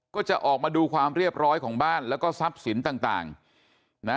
ก็จะออกมาดูความเรียบร้อยของบ้านแล้วก็ทรัพย์สินต่างนะ